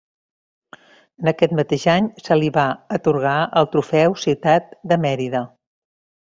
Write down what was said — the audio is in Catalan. En aquest mateix any, se li va atorgar el Trofeu Ciutat de Mèrida.